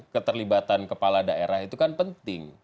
keterlibatan kepala daerah itu kan penting